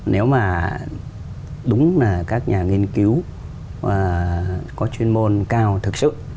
nếu mà đúng là các nhà nghiên cứu có chuyên môn cao thực sự